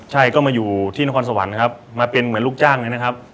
ใช่ก็มาอยู่ที่นครสวรรค์ครับมาเป็นเหมือนลูกจ้างเลยนะครับ